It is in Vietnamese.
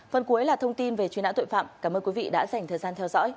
phần cuối là thông tin về truy nã tội phạm cảm ơn quý vị đã dành thời gian theo dõi